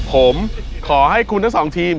ผมขอให้คุณทั้งสองทีม